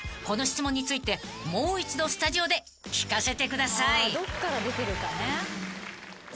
この質問についてもう一度スタジオで聞かせてください］